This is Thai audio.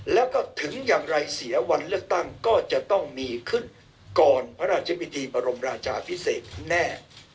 แล้วก็ถึงอย่างไรเสียวันเลือกตั้งก็จะต้องมีขึ้นก่อนพระราชพิธีบรมราชาพิเศษแน่